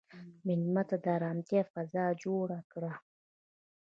مېلمه ته د ارامتیا فضا جوړ کړه.